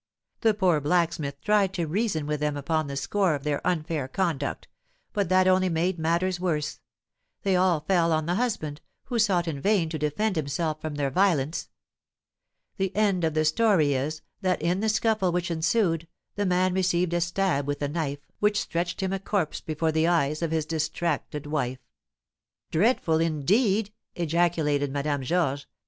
The poor blacksmith tried to reason with them upon the score of their unfair conduct, but that only made matters worse; they all fell on the husband, who sought in vain to defend himself from their violence. The end of the story is, that, in the scuffle which ensued, the man received a stab with a knife, which stretched him a corpse before the eyes of his distracted wife." "Dreadful, indeed!" ejaculated Madame Georges.